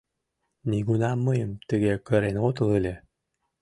Нигунам мыйым тыге кырен отыл ыле...